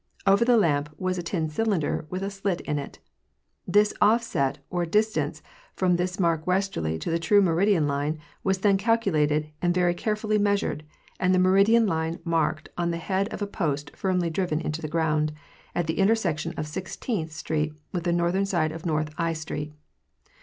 Over the lamp was a tin cylinder with a slit init. The offset or distance from this mark westward to the true meridian line was then calculated and very carefully measured, and the meridian "line marked on the head of a post firmly driven into the ground" at the intersection of Sixteenth street with the northern side of north I street.